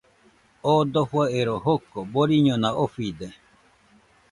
Oo dofo ero joko boriñona ofide.